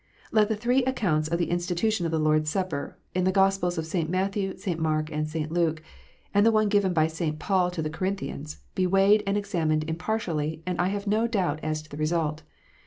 Let the three accounts of the institution of the Lord s Supper, in the Gospels of St. Matthew, St. Mark, and St. Luke, and the one given by St. Paul to the Corinthians, be weighed and examined impartially, and I have no doubt as to the result.